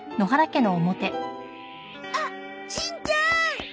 あっしんちゃーん！